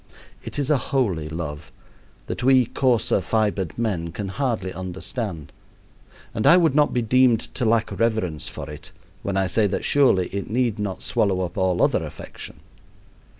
It is a holy love, that we coarser fibered men can hardly understand, and I would not be deemed to lack reverence for it when I say that surely it need not swallow up all other affection.